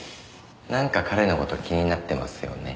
なんか彼の事気になってますよね。